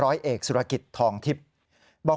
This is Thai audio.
ร้อยเอกสุรกิจทองทิพย์บอก